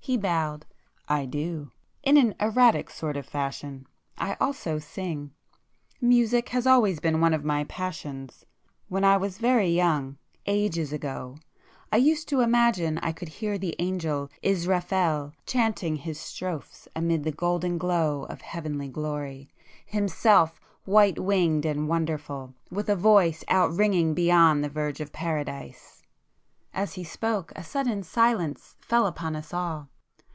He bowed. "I do. In an erratic sort of fashion. I also sing. Music has always been one of my passions. When I was very young,—ages ago,—I used to imagine I could hear the angel Israfel chanting his strophes amid the golden glow of heavenly glory,—himself white winged and wonderful, with a voice out ringing beyond the verge of paradise!" As he spoke, a sudden silence fell upon us all.